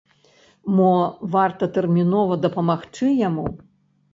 Мо, варта тэрмінова дапамагчы яму?